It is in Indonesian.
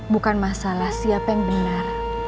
bukan masalah siapa yang benar